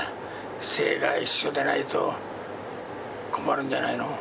姓が一緒でないと困るんじゃないの？